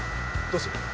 どうする？